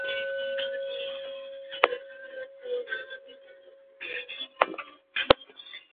万历五年丁丑科进士。